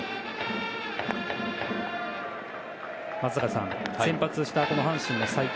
松坂さん、先発した阪神の才木。